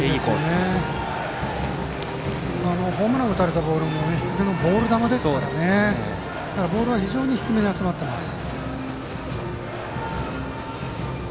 ホームランを打たれたボールも低めのボール球ですからボールは低めに集まっています。